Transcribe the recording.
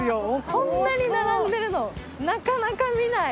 こんなに並んでるのなかなか見ない。